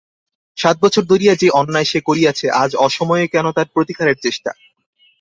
সাত বছর ধরিয়া যে অন্যায় সে করিয়াছে, আজ অসময়ে কেন তার প্রতিকারের চেষ্টা?